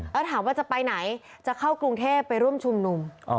แล้วถามว่าจะไปไหนจะเข้ากรุงเทพไปร่วมชุมนุม